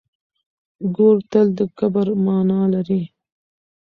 ګور تل د کبر مانا لري.